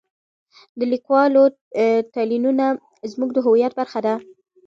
د لیکوالو تلینونه زموږ د هویت برخه ده.